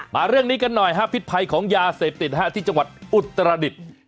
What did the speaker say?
มาเรื่องนี้กันหน่อยฮะพิษภัยของยาเสพติดที่จังหวัดอุตรดิษฐ์